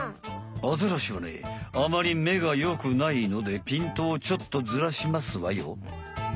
アザラシはねあまり目が良くないのでピントをちょっとずらしますわよ。